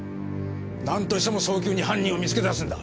なんとしても早急に犯人を見つけ出すんだ。